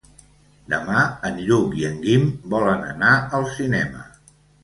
Demà en Lluc i en Guim volen anar al cinema.